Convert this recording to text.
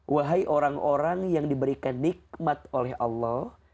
wahai orang orang yang diberikan nikmat oleh allah